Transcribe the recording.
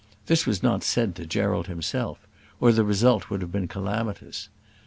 This was not said to Gerald himself; or the result would have been calamitous.